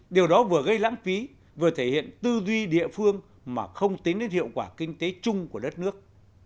điều đó vừa gây lãng phí vừa thể hiện tư duy địa phương mà không tính đến hiệu quả kinh tế chung của đất nước